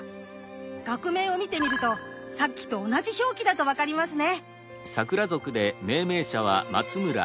学名を見てみるとさっきと同じ表記だと分かりますね。